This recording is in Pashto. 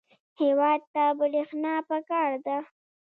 هېواد ته برېښنا پکار ده